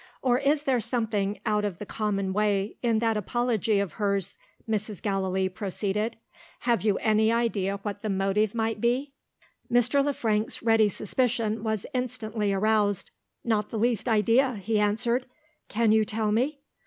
"Or is there something out of the common way, in that apology of hers?" Mrs. Gallilee proceeded. "Have you any idea what the motive might be?" Mr. Le Frank's ready suspicion was instantly aroused. "Not the least idea," he answered. "Can you tell me?"